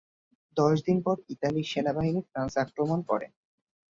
দশ দিন পর ইতালির সেনাবাহিনী ফ্রান্স আক্রমণ করে।